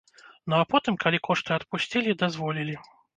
Ну а потым, калі кошты адпусцілі, дазволілі.